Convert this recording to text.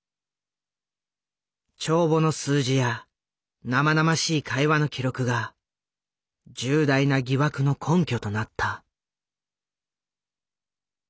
帳簿の数字や生々しい会話の記録が重大な疑惑の根拠となった。